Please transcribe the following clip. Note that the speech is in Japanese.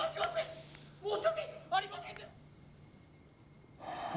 「申し訳ありません」。